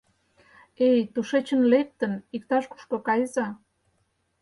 Эй, тушечын лектын, иктаж-кушко кайыза.